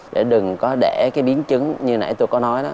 để đừng có để cái biến chứng như nãy tôi có nói đó